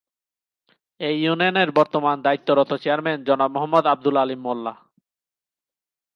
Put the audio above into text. এই ইউনিয়নের বর্তমান দায়িত্বরত চেয়ারম্যান জনাব মোহাম্মদ আব্দুল আলীম মোল্লা।